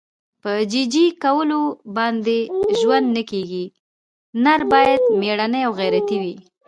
په جي جي کولو باندې ژوند نه کېږي. نر باید مېړنی او غیرتي وي.